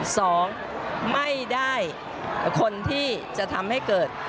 สองไม่ได้คนที่จะทำให้เกิด